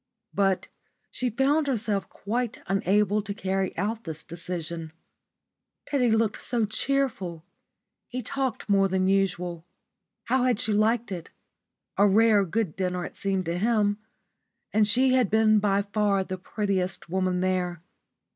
But she found herself quite unable to carry out this decision. Teddy looked so cheerful. He talked more than usual. How had she liked it? A rare good dinner, it seemed to him. And she had been by far the prettiest woman there.